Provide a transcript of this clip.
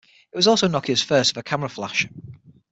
It was also Nokia's first with a camera flash.